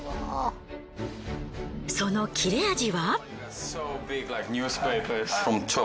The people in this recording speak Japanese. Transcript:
その切れ味は？